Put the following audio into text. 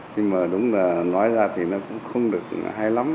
nhưng mà đúng là nói ra thì nó cũng không được hay lắm